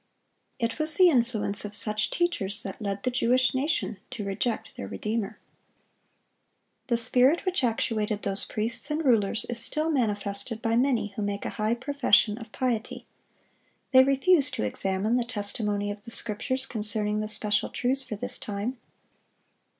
It was the influence of such teachers that led the Jewish nation to reject their Redeemer. The spirit which actuated those priests and rulers is still manifested by many who make a high profession of piety. They refuse to examine the testimony of the Scriptures concerning the special truths for this time.